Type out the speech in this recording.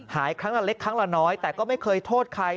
หายครั้งละเล็กครั้งละน้อยแต่ก็ไม่เคยโทษใคร